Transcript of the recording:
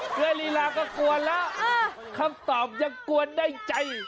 เกื้อลีราก็กลัวแล้วคำตอบจะกลัวใดใจ